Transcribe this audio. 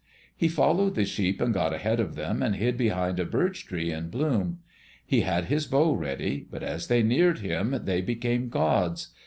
He followed the sheep and got ahead of them and hid behind a birch tree in bloom. He had his bow ready, but as they neared him they became gods.